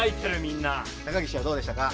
高岸はどうでしたか？